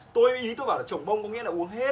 tôi ý tôi bảo là trổ mông có nghĩa là uống hết